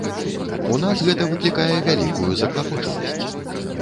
У нас гэта выклікае вялікую заклапочанасць.